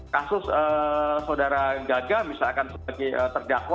kasus saudara gaga misalkan sebagai terdakwa